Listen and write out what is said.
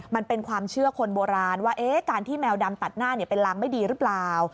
มันเป็นความเชื่อคนโบราณว่าการที่แมวดำตัดหน้าเป็นรังไม่ดีหรือเปล่า